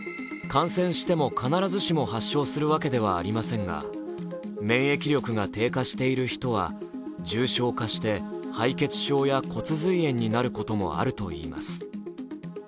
感染しても必ずしも発症するわけではありませんが免疫力が低下している人は重症化して敗血症や骨髄炎になることもあるといいます。